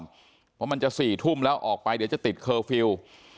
เพราะมันจะ๔ทุ่มแล้วออกไปเดี๋ยวจะติดเคอร์ฟิลล์